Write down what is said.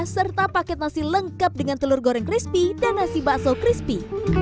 serta paket nasi lengkap dengan telur goreng crispy dan nasi bakso crispy